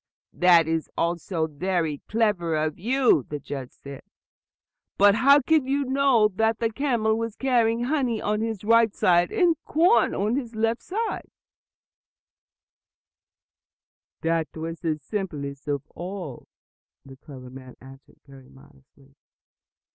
"That is also very clever of you," the judge said. "But how did you know that the camel was carrying honey on his right side, and corn on his left?" "That was the simplest of all," the clever man answered most modestly.